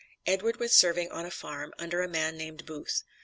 Edward was serving on a farm, under a man named Booth.